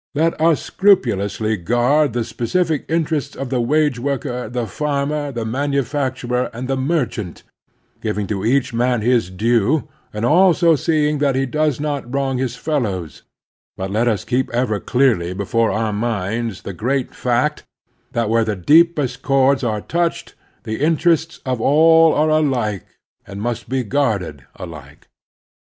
Let us scrupu lously guard the specif interests of the wage worker, the farmer, the manufacturer, and the mer chant, giving to each man his due and also seeing that he does not wrong his fellows ; but let us keep ever clearly before our minds the great fact that, where the deepest chords are touched, the interests of all are alike and must be guarded alike.